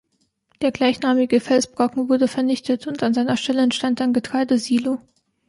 Der gleichnamige Felsbrocken wurde vernichtet, und an seiner Stelle entstand ein Getreidesilo.